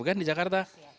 kan di jakarta